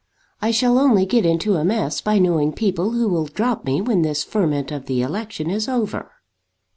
I shall only get into a mess by knowing people who will drop me when this ferment of the election is over."